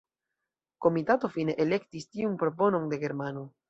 Komitato fine elektis tiun proponon de germano.